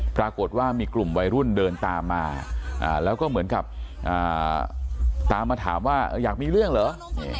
ปรากฏว่ามีกลุ่มวัยรุ่นเดินตามมาแล้วก็เหมือนกับตามมาถามว่าอยากมีเรื่องเหรอ